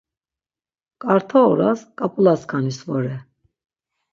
K̆arta oras ǩap̌ulaskanis vore!